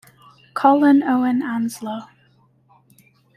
Colin Owen Anslow.